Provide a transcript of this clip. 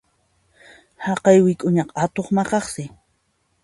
Chaqay wik'uñaqa atuq maqaqsi.